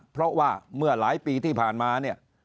เพราะว่าเมื่อหลายปีที่ผ่านมาเนี่ย